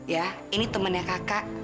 ya ini temennya kakak